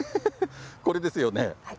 これですよね。